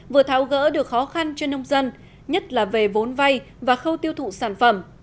vừa tháo gỡ được khó khăn cho nông dân nhất là về vốn vay và khâu tiêu thụ sản phẩm